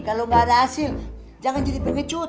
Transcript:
kalau nggak ada hasil jangan jadi pengecut